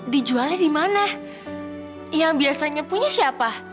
dijualnya di mana yang biasanya punya siapa